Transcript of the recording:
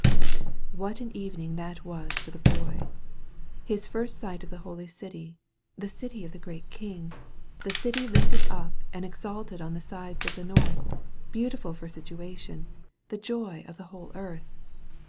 What an evening that was for the Boy! His first sight of the holy city, the city of the great king» the city lifted up and exalted on the sides of the northy beautiful for situation, the joy of the whole earth